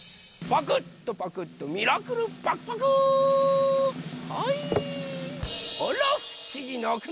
パクッとパクッとミラクルパクパク！